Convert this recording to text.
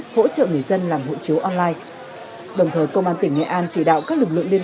hỗ trợ người dân làm hộ chiếu online đồng thời công an tỉnh nghệ an chỉ đạo các lực lượng liên